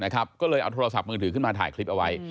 ก็เลยเอาโทรศัพท์มือถือขึ้นมาถ่ายคลิปเอาไว้